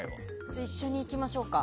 じゃあ、一緒に行きましょうか。